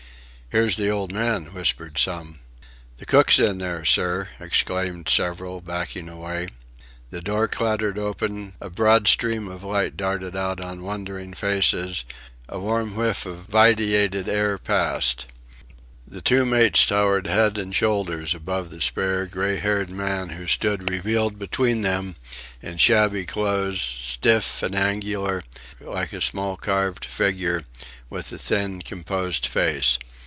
"Here's the old man," whispered some. "The cook's in there, sir," exclaimed several, backing away. The door clattered open; a broad stream of light darted out on wondering faces; a warm whiff of vitiated air passed. The two mates towered head and shoulders above the spare, grey haired man who stood revealed between them, in shabby clothes, stiff and angular, like a small carved figure, and with a thin, composed face.